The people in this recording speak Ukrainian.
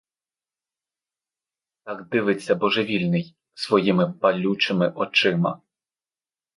Так дивиться божевільний своїми палючими очима.